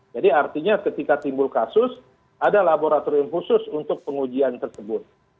jadi artinya ketika timbul kasus ada laboratorium khusus untuk pengujian tersebut